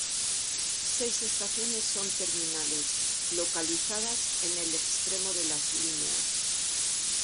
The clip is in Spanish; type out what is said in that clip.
Seis estaciones son terminales, localizadas en el extremo de las líneas.